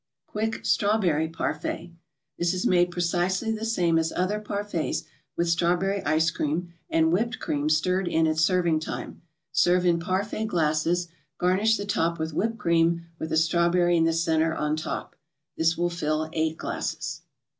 QUICK STRAWBERRY PARFAIT This is made precisely the same as other parfaits, with Strawberry Ice Cream, and whipped cream stirred in at serving time. Serve in parfait glasses, garnish the top with whipped cream, with a strawberry in the centre on top. This will fill eight glasses.